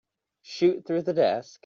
Shoot through the desk.